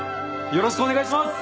よろしくお願いします！